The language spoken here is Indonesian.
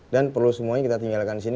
dan perlu semuanya kita tinggalkan disini